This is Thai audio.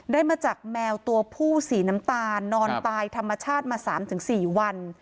ได้มาจากแมวตัวผู้สีน้ำตาลนอนตายธรรมชาติมา๓๔วัน